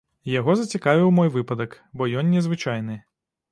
Яго зацікавіў мой выпадак, бо ён незвычайны.